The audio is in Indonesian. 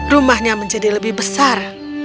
rumahnya menjadi lebih besar